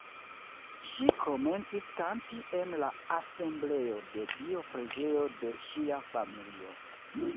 Ŝi komencis kanti en la Asembleoj de Dio preĝejo de ŝia familio.